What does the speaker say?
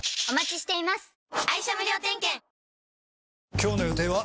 今日の予定は？